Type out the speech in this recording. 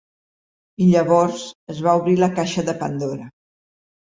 I llavors es va obrir la caixa de pandora.